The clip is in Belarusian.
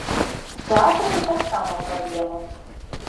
З тэатрамі таксама праблема.